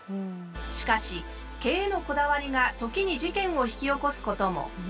しかし毛へのこだわりが時に事件を引き起こすことも。